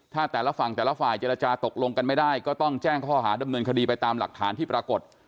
ถ้าแต่ละฝั่งแต่ละฝ่ายเจรจาตกลงกันไม่ได้ก็ต้องแจ้งข้อหาดำเนินคดีไปตามหลักฐานที่ปรากฏ